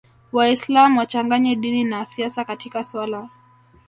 Waislam wachanganye dini na siasa katika suala